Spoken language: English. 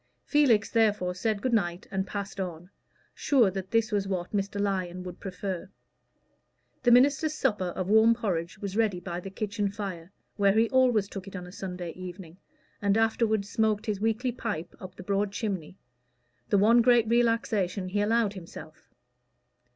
Felix therefore said good night and passed on, sure that this was what Mr. Lyon would prefer. The minister's supper of warm porridge was ready by the kitchen fire, where he always took it on a Sunday evening, and afterward smoked his weekly pipe up the broad chimney the one great relaxation he allowed himself.